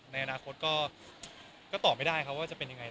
ในอนาคตก็ตอบไม่ได้ครับว่าจะเป็นยังไง